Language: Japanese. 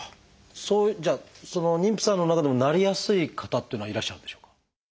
じゃあ妊婦さんの中でもなりやすい方というのはいらっしゃるんでしょうか？